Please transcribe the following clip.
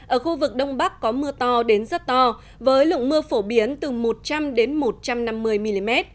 ở khu vực đông bắc có mưa to đến rất to với lượng mưa phổ biến từ một trăm linh một trăm năm mươi mm